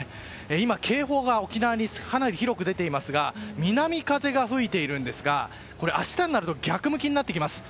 今、警報が沖縄にかなり広く出ていますが南風が吹いているんですが明日になると逆向きになります。